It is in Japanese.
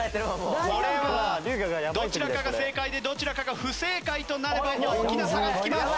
これはどちらかが正解でどちらかが不正解となれば大きな差がつきます。